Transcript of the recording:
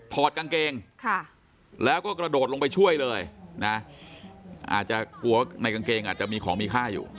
ถอดกางเกงแล้วก็กระโดดลงไปช่วยเลยนะอาจจะกลัวในกางเกงอาจจะมีของมีค่าอยู่